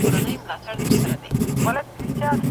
سستي انسان کمزوری کوي